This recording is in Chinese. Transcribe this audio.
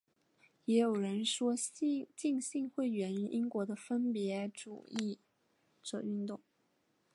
也有人说浸信会源于英国的分别主义者运动。